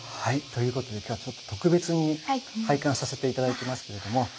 ということで今日は特別に拝観させて頂いてますけれども。